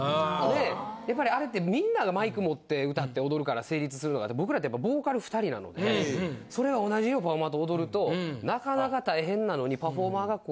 でやっぱりあれってみんながマイク持って歌って踊るから成立するのが僕らってボーカル２人なのでそれが同じ量パフォーマーと踊るとなかなか大変なのに。